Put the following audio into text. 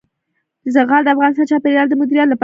زغال د افغانستان د چاپیریال د مدیریت لپاره مهم دي.